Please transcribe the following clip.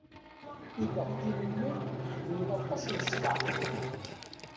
Idaktiluyen xeddmen aṭas n ssḍeε.